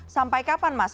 sampai kapan mas